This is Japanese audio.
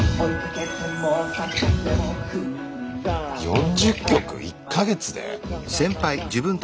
４０曲⁉１か月で⁉え。